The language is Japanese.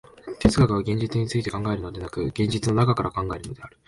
哲学は現実について考えるのでなく、現実の中から考えるのである。